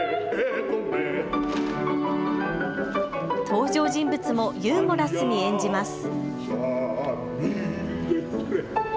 登場人物もユーモラスに演じます。